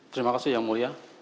terima kasih yang mulia